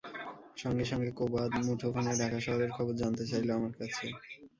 সঙ্গে সঙ্গে কোবাদ মুঠোফোনে ঢাকা শহরের খবর জানতে চাইল আমার কাছে।